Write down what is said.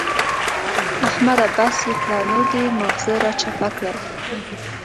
احمده! بس يې کړه نور دې ماغزه را چپه کړل.